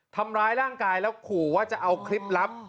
ทำร้ายร่างกายแล้วขู่ว่าจะเอาคลิปลับ